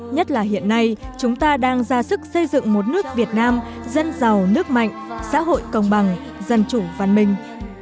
nhất là hiện nay chúng ta đang ra sức xây dựng một nước việt nam dân giàu nước mạnh xã hội công bằng dân chủ văn minh